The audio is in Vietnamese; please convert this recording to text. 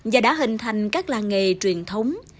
và đã hình thành các làng nghề truyền thống